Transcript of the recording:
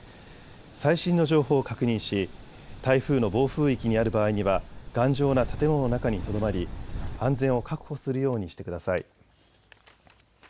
最新の情報を確認し台風の暴風域にある場合には頑丈な建物の中にとどまり安全を確保するようにしてください。